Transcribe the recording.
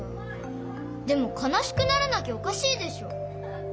でもかなしくならなきゃおかしいでしょ。